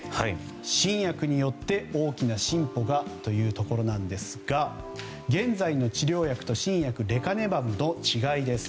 新薬によって大きな進歩がというところですが現在の治療薬と新薬レカネマブの違いです。